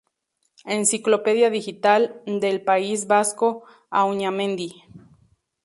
Enciclopedia Digital del País Vasco Auñamendi.